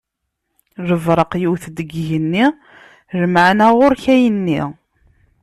Lebṛaq yewwet-d deg igenni lmeɛna ɣuṛ-k ayenni!